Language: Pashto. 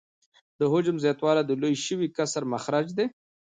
د حجم زیاتوالی د لوی شوي کسر مخرج دی